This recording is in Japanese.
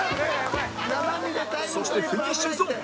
そしてフィニッシュゾーン！